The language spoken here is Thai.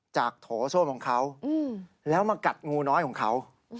โถส้วมของเขาแล้วมากัดงูน้อยของเขา